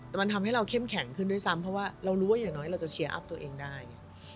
แต่มันทำให้เราเข้มแข็งขึ้นด้วยซ้ำเพราะว่าเรารู้ว่าอย่างน้อยเราจะเชียร์อัพตัวเองได้